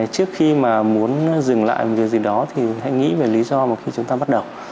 trước khi mà muốn dừng lại một việc gì đó thì hãy nghĩ về lý do mà khi chúng ta bắt đầu